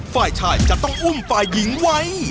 ฝ่ายชายจะต้องอุ้มฝ่ายหญิงไว้